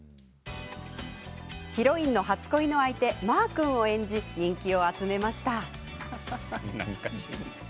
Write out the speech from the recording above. ヒロインの初恋の相手マア君を演じ、人気を集めました。